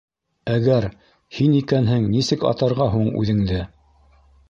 — Әгәр «һин» икәнһең, нисек атарға һуң үҙеңде?